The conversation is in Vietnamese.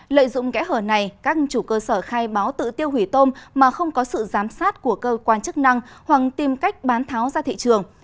lợi dụng kẽ hở này các chủ cơ sở khai báo tự tiêu hủy tôm mà không có sự giám sát của cơ quan chức năng hoặc tìm cách bán tháo ra thị trường